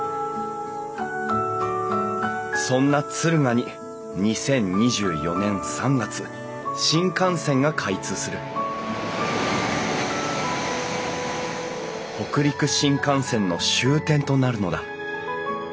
そんな敦賀に２０２４年３月新幹線が開通する北陸新幹線の終点となるのだ。